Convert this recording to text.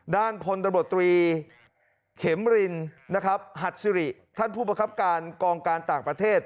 ด้านพลตำรวจตรีเข็มรินนะครับหัดสิริท่านผู้ประคับการกองการต่างประเทศ